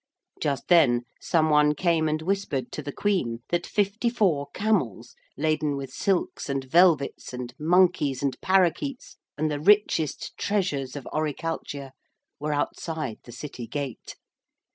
Just then some one came and whispered to the Queen that fifty four camels laden with silks and velvets and monkeys and parakeets and the richest treasures of Oricalchia were outside the city gate.